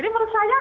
jadi menurut saya